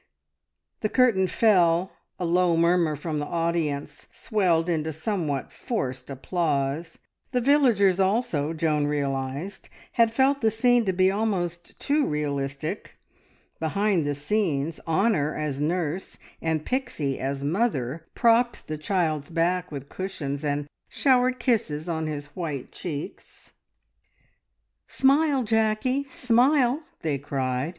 The curtain fell. A low murmur from the audience swelled into somewhat forced applause. The villagers also, Joan realised, had felt the scene to be almost too realistic. Behind the scenes Honor as nurse and Pixie as mother propped the child's back with cushions, and showered kisses on his white cheeks. "Smile, Jackey, smile!" they cried.